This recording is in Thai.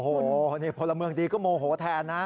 โอ้โหนี่พลเมืองดีก็โมโหแทนนะ